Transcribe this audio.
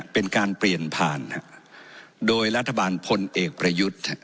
เป็นการเปลี่ยนผ่านโดยรัฐบาลพลเอกประยุทธ์